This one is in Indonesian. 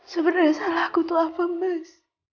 sebenernya salah aku tuh apa mas